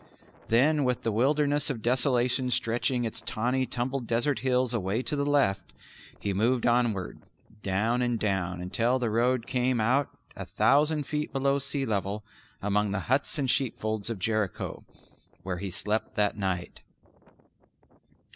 Then with the Wilderness of Desolation stretching its tawny tumbled desert hills away to the left, he moved onward, down and down until the road came out a thousand feet below sea level among the huts and sheepfolds of Jericho, where he slept that night.